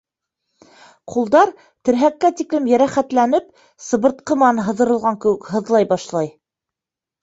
Ҡулдар терһәккә тиклем йәрәхәтләнеп, сыбыртҡы менән һыҙырылған кеүек һыҙлай башлай.